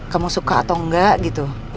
kamu suka atau enggak gitu